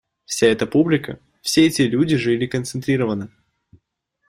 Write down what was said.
Вся эта публика, все эти люди жили концентрированно.